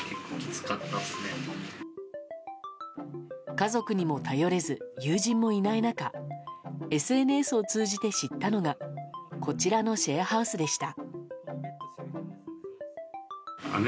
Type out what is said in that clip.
家族にも頼れず友人もいない中ＳＮＳを通じて知ったのがこちらのシェアハウスでした。